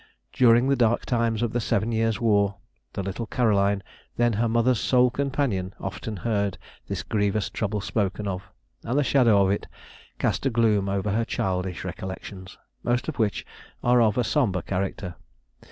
During the dark times of the Seven Years' War, the little Caroline, then her mother's sole companion, often heard this grievous trouble spoken of, and the shadow of it cast a gloom over her childish recollections, most of which are of a sombre character.